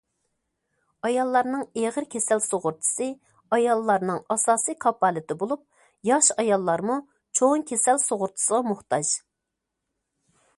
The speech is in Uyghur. ئاياللارنىڭ ئېغىر كېسەل سۇغۇرتىسى ئاياللارنىڭ ئاساسىي كاپالىتى بولۇپ، ياش ئاياللارمۇ چوڭ كېسەل سۇغۇرتىسىغا موھتاج.